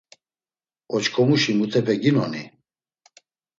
Oç̌ǩomuşi mutupe ginoni?